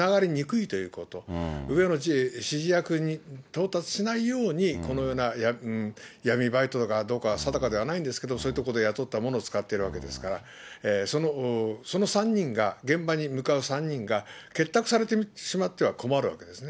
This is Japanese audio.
そう入れ替えることによって上につながりにくいということ、上の指示役に到達しないように、このような、闇バイトかどうか定かではないんですけど、そういうところで雇ったものを使っているわけですから、その３人が、現場に向かう３人が、結託されてしまっては困るわけですね。